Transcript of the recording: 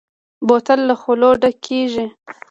بوتل له خولو ډک کېږي.